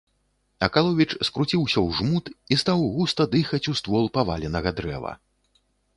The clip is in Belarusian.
Акаловіч скруціўся ў жмут і стаў густа дыхаць у ствол паваленага дрэва.